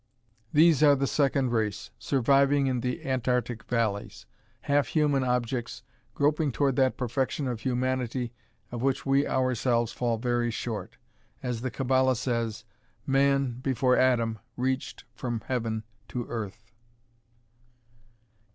"These are the second race, surviving in the Antarctic valleys. Half human objects, groping toward that perfection of humanity of which we ourselves fall very far short. As the Kabbala says, man, before Adam, reached from heaven to earth."